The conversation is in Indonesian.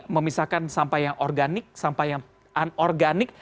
memisahkan sampah yang organik sampah yang anorganik